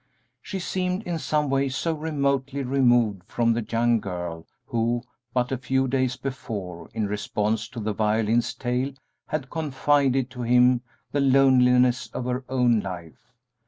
She seemed in some way so remotely removed from the young girl who, but a few days before, in response to the violin's tale, had confided to him the loneliness of her own life.